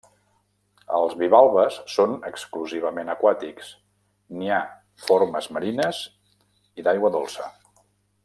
Els bivalves són exclusivament aquàtics; n'hi ha formes marines i d'aigua dolça.